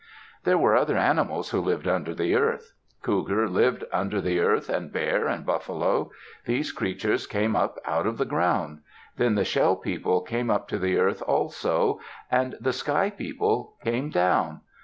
There were other animals who lived under the earth. Cougar lived under the earth, and bear, and buffalo. These creatures came up out of the ground. Then the shell people came up to the earth also; and the sky people came down.